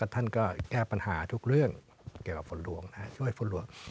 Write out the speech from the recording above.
ท่านก็แก้ปัญหาทุกเรื่องเกี่ยวกับฝนหลวงช่วยฝนหลวง